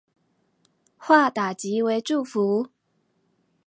化打擊為祝福